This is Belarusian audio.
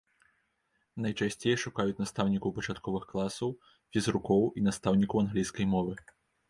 Найчасцей шукаюць настаўнікаў пачатковых класаў, фізрукоў і настаўнікаў англійскай мовы.